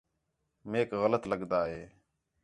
میک غلط لڳدا ہے